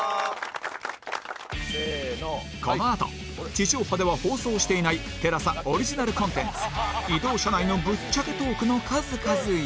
このあと地上波では放送していない ＴＥＬＡＳＡ オリジナルコンテンツ移動車内のぶっちゃけトークの数々や